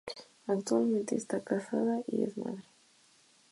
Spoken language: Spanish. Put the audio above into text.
Actualmente está casada y es madre.